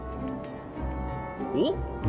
おっ？